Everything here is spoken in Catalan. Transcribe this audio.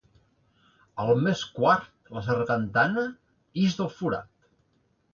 Al mes quart la sargantana ix del forat.